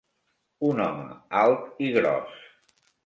Un home alt i gros.